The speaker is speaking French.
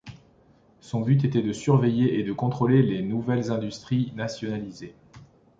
Son but était de surveiller et de contrôler les nouvelles industries nationalisées.